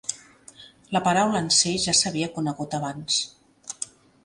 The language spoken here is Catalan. La paraula en sí ja s'havia conegut abans.